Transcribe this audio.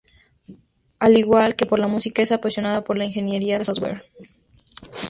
Al igual que por la música es apasionado por la Ingeniería de software.